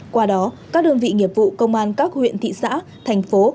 qua đó các đơn vị nghiệp vụ công an các huyện thị xã thành phố